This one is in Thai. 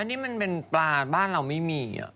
อันนี้มันเป็นปลาบ้านเราไม่มี